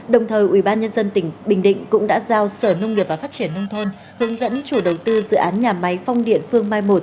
đồng thời ubnd tỉnh bình định cũng đã giao sở nông nghiệp và phát triển nông thôn hướng dẫn chủ đầu tư dự án nhà máy phong điện phương mai một